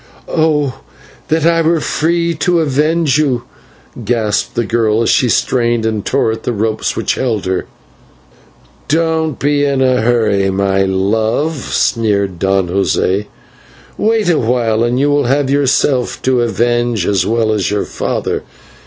"Oh! that I were free to avenge you!" gasped the girl as she strained and tore at the ropes which held her. "Don't be in a hurry, my love," sneered Don José, "wait a while and you will have yourself to avenge as well as your father.